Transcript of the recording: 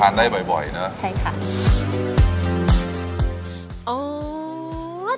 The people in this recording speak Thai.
ได้บ่อยบ่อยเนอะใช่ค่ะ